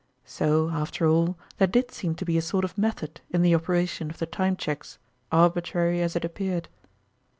So, after all, there did seem to be a sort of method in the operation of the Time Cheques, arbitrary as it appeared.